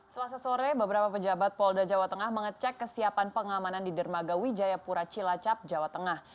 selasa sore beberapa pejabat polda jawa tengah mengecek kesiapan pengamanan di dermaga wijayapura cilacap jawa tengah